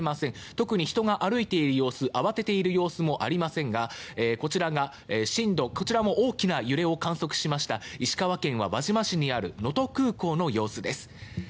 特に人が歩いている様子慌てている様子もありませんがこちらも大きな揺れを観測しました石川県は輪島市にある能登空港の様子です。